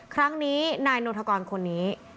ครั้งนี้นายนธกรคนนี้